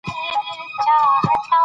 او د ما ویلي او تا ویلي